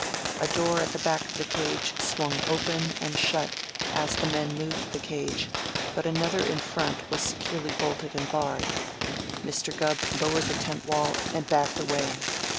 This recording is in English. A door at the back of the cage swung open and shut as the men moved the cage, but another in front was securely bolted and barred. Mr. Gubb lowered the tent wall and backed away.